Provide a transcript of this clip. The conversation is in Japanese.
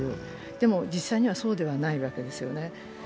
でも実際にはそうではないわけですよね。